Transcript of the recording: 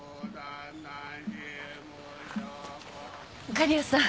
狩矢さん